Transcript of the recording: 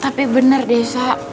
tapi bener deh sa